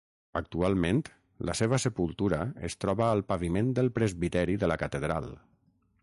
Actualment, la seva sepultura es troba al paviment del presbiteri de la catedral.